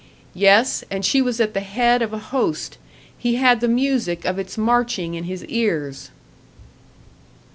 Yes, and she was at the head of a host, he had the music of its marching in his ears!